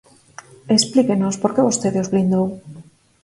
E explíquenos por que vostede os blindou.